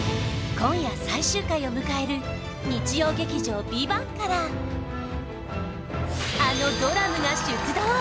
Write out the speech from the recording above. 今夜最終回を迎える日曜劇場「ＶＩＶＡＮＴ」からあのドラムが出動！